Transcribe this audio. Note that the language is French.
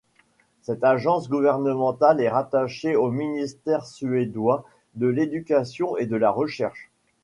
Cette agence gouvernementale est rattachée au ministère suédois de l'Éducation et de la Recherche.